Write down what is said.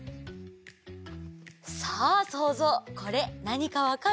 さあそうぞうこれなにかわかる？